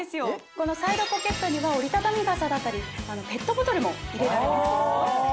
このサイドポケットには折りたたみ傘だったりペットボトルも入れられますよ。